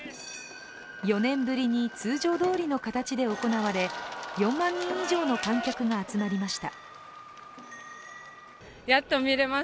４年ぶりに通常どおりの形で行われ４万人以上の観客が集まりました。